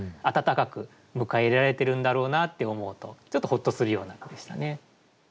温かく迎え入れられているんだろうなって思うとちょっとホッとするような句でしたね。